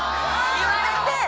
言われて。